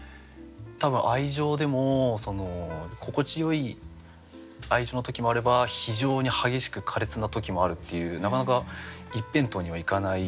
多分愛情でも心地よい愛情の時もあれば非常に激しく苛烈な時もあるっていうなかなか一辺倒にはいかない。